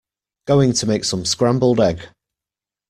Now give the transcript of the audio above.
Going to make some scrambled egg.